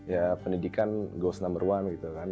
ya pendidikan gost number one gitu kan